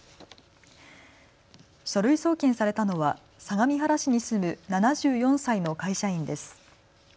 書類送検されたのは相模原市に住む７４歳の会社員です。